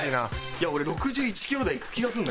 いや俺６１キロ台いく気がするんだけど。